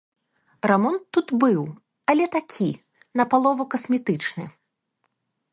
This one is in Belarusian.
Рамонт тут быў, але такі, напалову касметычны.